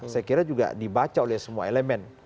saya kira juga dibaca oleh semua elemen